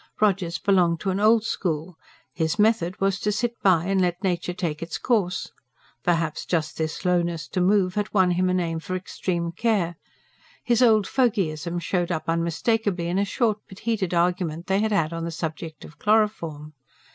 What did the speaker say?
Rogers belonged to an old school; his method was to sit by and let nature take its course perhaps just this slowness to move had won him a name for extreme care. His old fogyism showed up unmistakably in a short but heated argument they had had on the subject of chloroform.